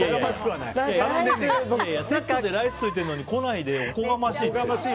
いやいや、セットでライスついてるのに来ないでおこがましいって。